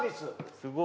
すごい。